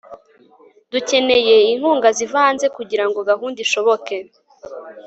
dukeneye inkunga ziva hanze kugira ngo gahunda ishoboke